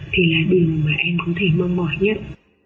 thì là điều mà em có thể mong mỏi nhất